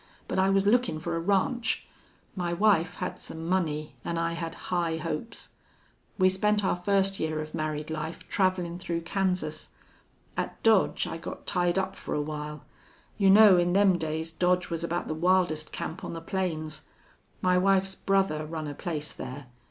But I was lookin' for a ranch. My wife had some money an' I had high hopes. We spent our first year of married life travelin' through Kansas. At Dodge I got tied up for a while. You know, in them days Dodge was about the wildest camp on the plains. My wife's brother run a place there.